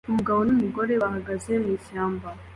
Umugabo numugore bahagaze mwishyamba